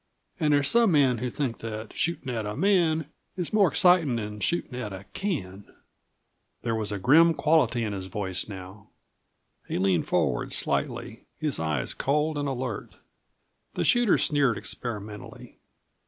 An' there's some men who think that shootin' at a man is more excitin' than shootin' at a can." There was a grim quality in his voice now. He leaned forward slightly, his eyes cold and alert. The shooter sneered experimentally.